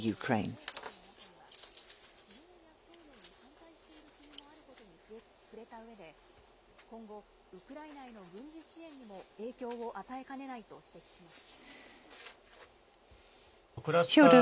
専門家は、ＮＡＴＯ・北大西洋条約機構の加盟国の中には、使用や供与に反対している国もあることに触れたうえで、今後、ウクライナへの軍事支援にも影響を与えかねないと指摘します。